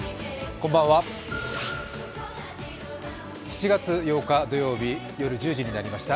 こんばんは、７月８日土曜日夜１０時になりました。